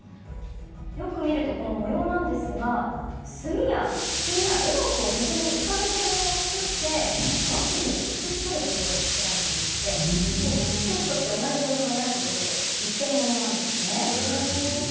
よく見ると模様なんですが墨や絵の具を水に浮かべて模様を作って和紙に写し取る技法で作られていまして１つとして同じ模様がないということで、一点物なんです。